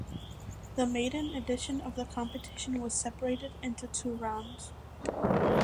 The maiden edition of the competition was separated into two rounds.